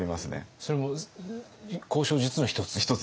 それも交渉術の一つ？